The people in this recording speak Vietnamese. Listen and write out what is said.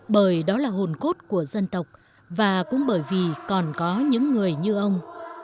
bởi đó là hồn cốt của dân tộc và cũng bởi vì còn có những người như ông